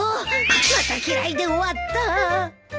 また嫌いで終わった。